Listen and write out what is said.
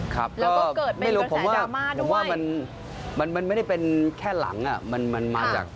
ครับไม่รู้ผมว่ามันไม่ได้เป็นแค่หลังมันมาจาก